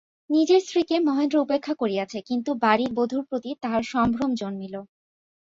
নিজের স্ত্রীকে মহেন্দ্র উপেক্ষা করিয়াছে, কিন্তু বাড়ির বধূর প্রতি তাহার সম্ভ্রম জন্মিল।